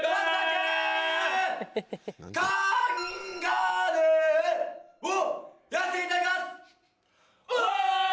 『カンガルー』をやらせていただきます！